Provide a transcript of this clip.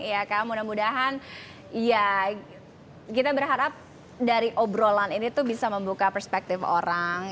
ya kamu mudah mudahan ya kita berharap dari obrolan ini tuh bisa membuka perspektif orang